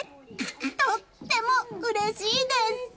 とってもうれしいです！